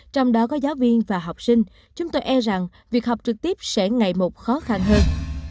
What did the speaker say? trong đó có giáo viên và học sinh chúng tôi e rằng việc học trực tiếp sẽ ngày một khó khăn hơn